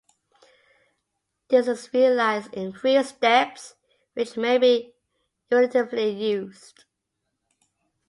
This is realized in three steps which may be iteratively used.